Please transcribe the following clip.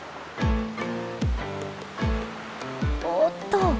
おっと！